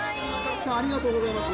ありがとうございます。